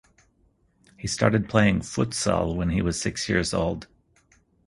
He started playing futsal when he was six years old.